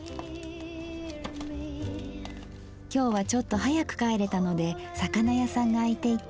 今日はちょっと早く帰れたので魚屋さんが開いていて。